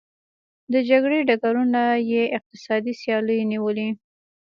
د جګړې ډګرونه یې اقتصادي سیالیو نیولي.